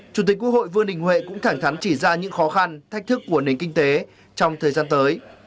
chủ tịch quốc hội vương đình huệ cũng thẳng thắn chỉ ra những khó khăn thách thức của nền kinh tế trong thời gian tới